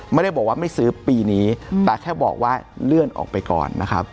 ไม่ได้บอกว่าไม่ซื้อปีนี้แต่แค่บอกว่าเลื่อนออกไปก่อนนะครับ